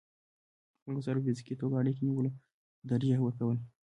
خلکو سره په فزيکي توګه اړيکې نيولو ته ترجيح ورکول